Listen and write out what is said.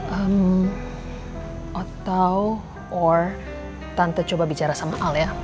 atau tante coba bicara sama al ya